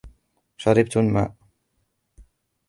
شربت الماء.